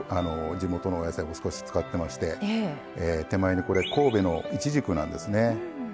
地元のお野菜を少し使ってまして手前にこれ神戸のいちじくなんですね。